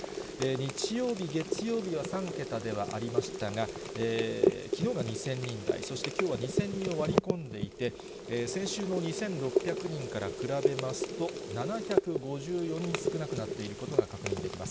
日曜日、月曜日は３桁ではありましたが、きのうが２０００人台、そして、きょうは２０００人を割り込んでいて、先週の２６００人から比べますと、７５４人少なくなっていることが確認できます。